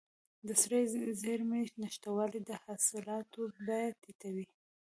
د سړې زېرمې نشتوالی د حاصلاتو بیه ټیټوي.